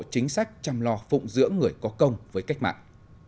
chính sách chăm lo phụng dưỡng người có công với cách mạng